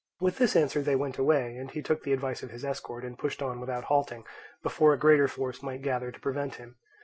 With this answer they went away, and he took the advice of his escort, and pushed on without halting, before a greater force might gather to prevent him.